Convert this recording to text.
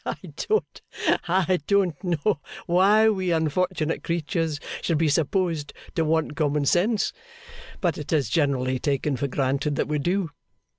'I don't know why we unfortunate creatures should be supposed to want common sense, but it is generally taken for granted that we do.